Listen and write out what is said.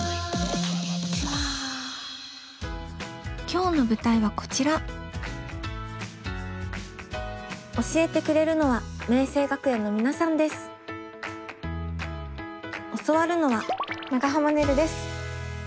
今日の舞台はこちら教えてくれるのは教わるのは長濱ねるです。